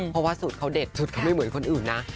เพราะว่าสูตรเขาเด็ดชุดเขาไม่เหมือนคนอื่นนะ